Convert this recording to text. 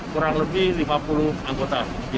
kurang lebih lima puluh anggota